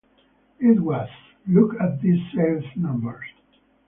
It was: Look at these sales numbers.